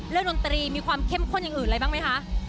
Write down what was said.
ดนตรีมีความเข้มข้นอย่างอื่นอะไรบ้างไหมคะ